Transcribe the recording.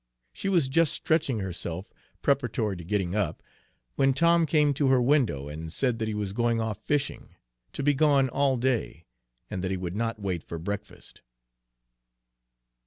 She was just stretching herself, preparatory to getting up, when Tom came to her window and said that he was going off fishing, to be gone all day, and that he would not wait for breakfast.